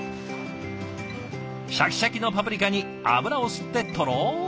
シャキシャキのパプリカに油を吸ってとろりとしたなす。